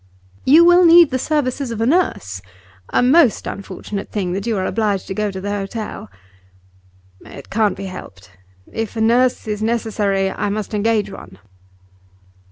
'You will need the services of a nurse. A most unfortunate thing that you are obliged to go to the hotel.' 'It can't be helped. If a nurse is necessary, I must engage one.